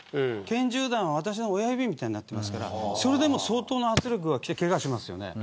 拳銃弾は私の親指みたいになってますからそれでも相当な圧力がきてけがをします。